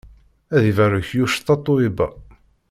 Ad ibarek yuc Tatoeba.